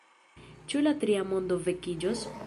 Ĉu la Tria Mondo vekiĝos?